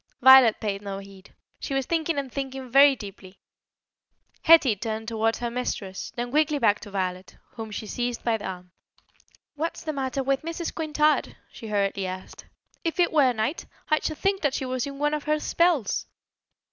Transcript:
Violet paid no heed; she was thinking and thinking very deeply. Hetty turned towards her mistress, then quickly back to Violet, whom she seized by the arm. "What's the matter with Mrs. Quintard?" she hurriedly asked. "If it were night, I should think that she was in one of her spells."